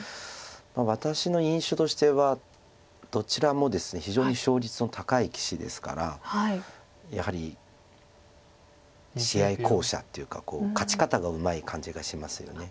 私の印象としてはどちらもですね非常に勝率の高い棋士ですからやはり試合巧者っていうか勝ち方がうまい感じがしますよね。